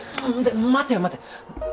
待てよ待て。